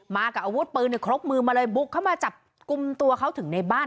มากับอาวุธปืนครบมือมาเลยบุกเข้ามาจับกลุ่มตัวเขาถึงในบ้าน